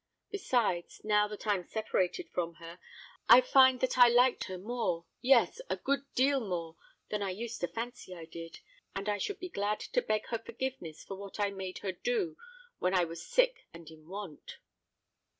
Besides, now that I'm separated from her, I find that I liked her more—yes—a good deal more than I used to fancy I did; and I should be glad to beg her forgiveness for what I made her do when I was sick and in want."